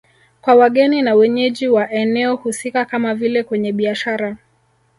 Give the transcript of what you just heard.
Kwa wageni na wenyeji wa eneo husika kama vile kwenye biashara